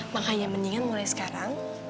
makanya mendingan mulai sekarang